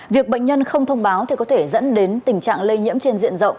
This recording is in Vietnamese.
việc bệnh nhân không thông báo thì có thể dẫn đến tình trạng lây nhiễm trên diện rộng